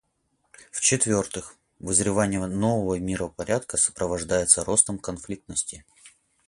В-четвертых, вызревание нового миропорядка сопровождается ростом конфликтности.